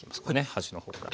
端の方から。